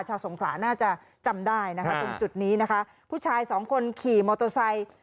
สงขลาน่าจะจำได้นะคะตรงจุดนี้นะคะผู้ชายสองคนขี่มอเตอร์ไซค์